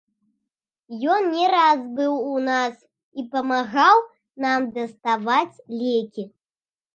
Ён не раз быў у нас і памагаў нам даставаць лекі.